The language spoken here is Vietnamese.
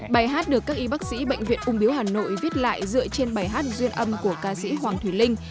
bài hát được các y bác sĩ bệnh viện ung biếu hà nội viết lại dựa trên bài hát duyên âm của ca sĩ hoàng thùy linh